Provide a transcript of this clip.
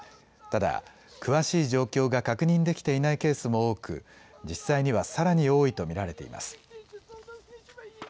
ただ詳しい状況が確認できていないケースも多く実際にはさらに多いと見られています。